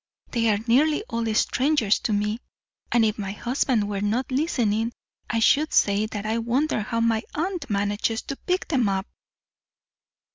They are nearly all strangers to me, and if my husband were not listening, I should say that I wonder how my aunt manages to pick them up."